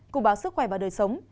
cùng báo sức khỏe và đời sống